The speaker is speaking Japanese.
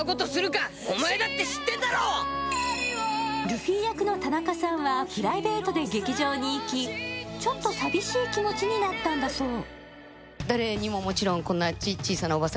ルフィ役の田中さんは、プライベートで劇場に行き、ちょっと寂しい気持ちになったんだそう。